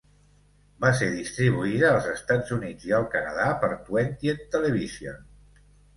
Va ser distribuïda als Estats Units i al Canadà per Twentieth Television.